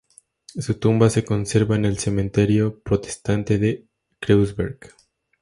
Su tumba se conserva en el cementerio protestante de Kreuzberg.